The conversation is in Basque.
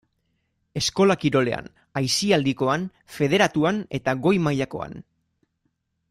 Eskola kirolean, aisialdikoan, federatuan eta goi-mailakoan.